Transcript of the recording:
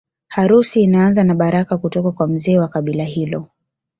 Harusi inaanza na baraka kutoka kwa mzee wa kabila hilo